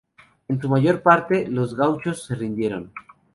En su mayor parte, los gauchos se rindieron.